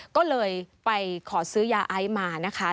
ก็เลยไปขอซื้อยาไอซ์มานะคะ